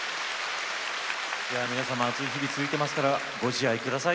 皆さん、暑い日が続いていますからご自愛ください。